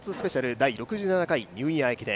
第６７回ニューイヤー駅伝。